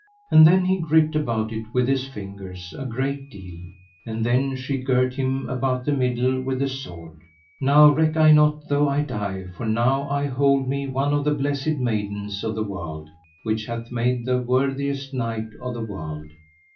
And then he gripped about it with his fingers a great deal; and then she girt him about the middle with the sword. Now reck I not though I die, for now I hold me one of the blessed maidens of the world, which hath made the worthiest knight of the world.